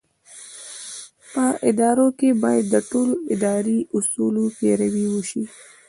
په ادارو کې باید له ټولو اداري اصولو پیروي وشي.